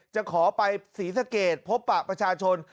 จะขอไปศรีสะเกดพบปะประชาชน